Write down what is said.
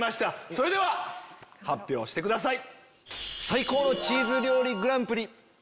それでは発表してください。